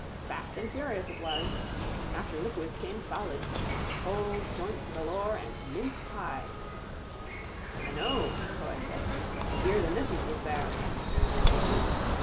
Fast and furious it was. After liquids came solids. Cold joints galore and mince pies... —I know, M'Coy said. The year the missus was there...